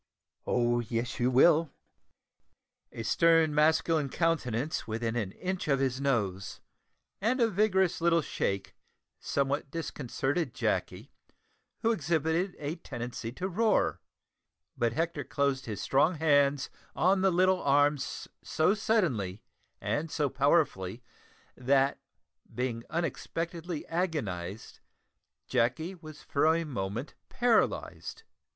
"Oh, yes, you will!" A stern masculine countenance within an inch of his nose, and a vigorous little shake, somewhat disconcerted Jacky, who exhibited a tendency to roar; but Hector closed his strong hands on the little arms so suddenly and so powerfully, that, being unexpectedly agonised, Jacky was for a moment paralysed.